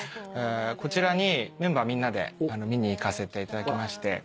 こちらにメンバーみんなで見に行かせていただきまして。